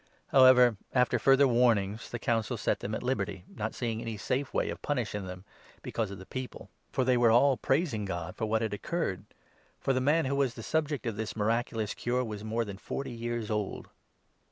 However, after further warnings, the Council set them at 21 liberty, not seeing any safe way of punishing them, because of the people, for they were all praising God for what had occurred ; for the man who was the subject of this miracu 22 lous cure was more than forty years old.